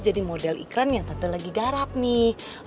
jadi model ikran yang tante lagi garap nih